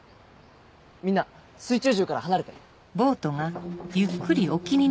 みんな水中銃から離れて。